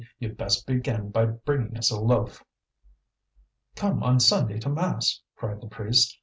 "You'd best begin by bringing us a loaf." "Come on Sunday to mass," cried the priest.